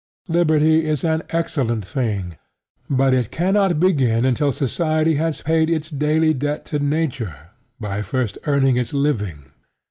Liberty is an excellent thing; but it cannot begin until society has paid its daily debt to Nature by first earning its living.